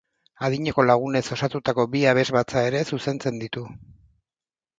Adineko lagunez osatutako bi abesbatza ere zuzentzen ditu.